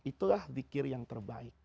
itulah zikir yang terbaik